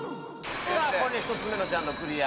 これで１つ目のジャンルをクリア。